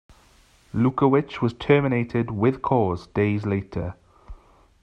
Lukowich was terminated "with cause" days later.